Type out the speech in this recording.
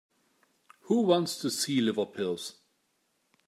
Who wants to see liver pills?